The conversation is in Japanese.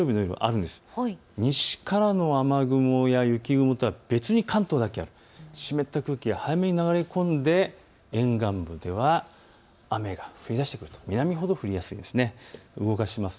西からの雨雲や雪雲とは別に関東だけ湿った空気が早めに流れ込んで、沿岸部では雨が降りだしてくると南ほど降りだしてきます。